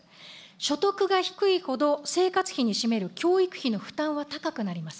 所得が低いほど、生活費に占める教育費の負担は高くなります。